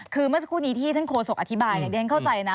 คือเมื่อสักครู่นี้ที่ท่านโฆษกอธิบายเรียนเข้าใจนะ